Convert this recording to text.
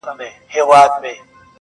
o بې موجبه خوار کړېږې او زورېږي,